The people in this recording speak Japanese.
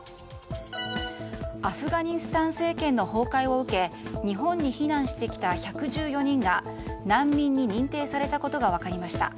アフガニスタン政権の崩壊を受け日本に避難してきた１１４人が難民に認定されたことが分かりました。